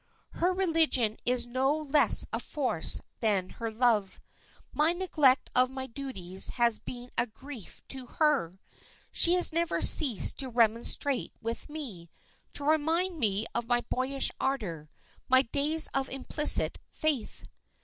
"Her religion is no less a force than her love. My neglect of my duties has been a grief to her. She has never ceased to remonstrate with me, to remind me of my boyish ardour, my days of implicit faith."